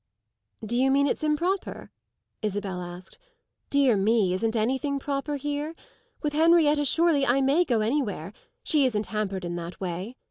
"Do you mean it's improper?" Isabel asked. "Dear me, isn't anything proper here? With Henrietta surely I may go anywhere; she isn't hampered in that way.